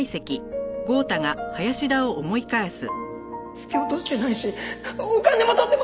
突き落としてないしお金も取ってません！